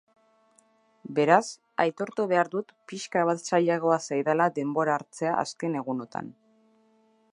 Beraz, aitortu behar dut pixka bat zailagoa zaidala denbora hartzea azken egunotan.